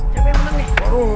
siapa yang menang nih